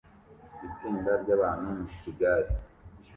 Itsinda ryabantu mu gikari